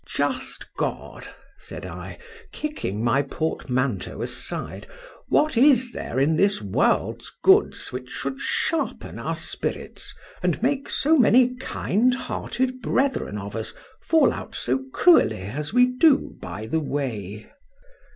—Just God! said I, kicking my portmanteau aside, what is there in this world's goods which should sharpen our spirits, and make so many kind hearted brethren of us fall out so cruelly as we do by the way?